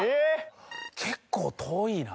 結構遠いな。